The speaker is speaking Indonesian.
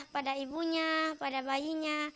pada ibunya pada bayinya